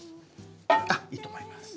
あっいいと思います。